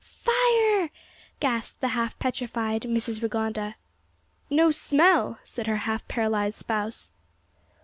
"Fire!" gasped the half petrified Mrs Rigonda. "No smell!" said her half paralysed spouse.